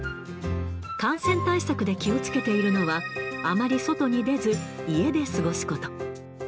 感染対策で気をつけているのは、あまり外に出ず、家で過ごすこと。